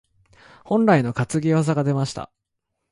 本来の担ぎ技が出ました。